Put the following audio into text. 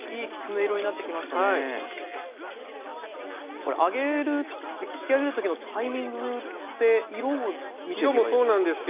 これ上げる引き上げるときのタイミングって色を見とけばいいんですか？